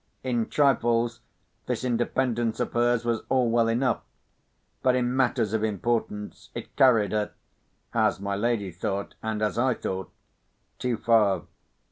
In trifles, this independence of hers was all well enough; but in matters of importance, it carried her (as my lady thought, and as I thought) too far.